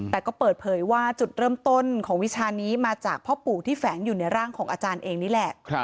แต่ก็เปิดเผยว่าจุดเริ่มต้นของวิชานี้มาจากพ่อปู่ที่แฝงอยู่ในร่างของอาจารย์เองนี่แหละ